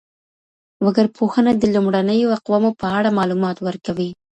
وګړپوهنه د لومړنیو اقوامو په اړه معلومات ورکوي.